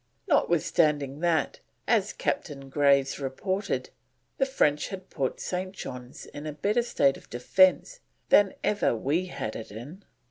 Notwithstanding that, as Captain Graves reported, "the French had put St. John's in a better state of defence than ever we had it in."